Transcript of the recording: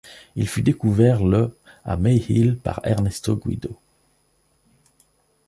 Il fut découvert le à Mayhill par Ernesto Guido.